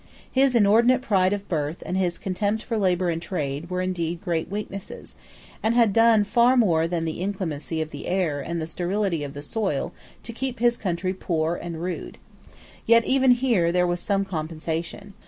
His inordinate pride of birth and his contempt for labour and trade were indeed great weaknesses, and had done far more than the inclemency of the air and the sterility of the soil to keep his country poor and rude. Yet even here there was some compensation.